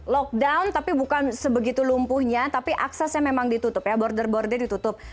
lockdown tapi bukan sebegitu lumpuhnya tapi aksesnya memang ditutup ya border border ditutup